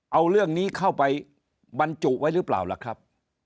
เอาเรื่องนี้เข้าไปบรรจุไว้หรือเปล่าล่ะครับ